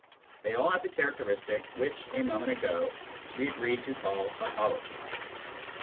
They all have the characteristic which, a moment ago, we agreed to call " tautology."